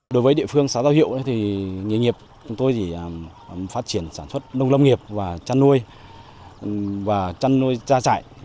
đối với địa phương xã giáo hiệu thì nghề nghiệp chúng tôi chỉ phát triển sản xuất nông nghiệp và chăn nuôi ra trại